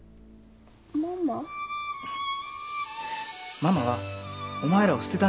ママはお前らを捨てたんじゃない。